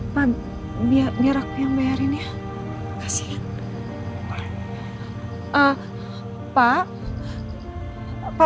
pak tolong jangan ditangkap